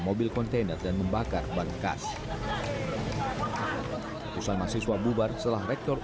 menurut pak ahok